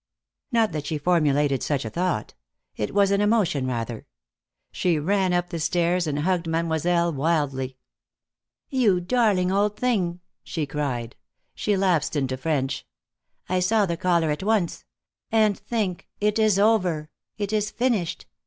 Not that she formulated such a thought. It was an emotion, rather. She ran up the stairs and hugged Mademoiselle wildly. "You darling old thing!" she cried. She lapsed into French. "I saw the collar at once. And think, it is over! It is finished.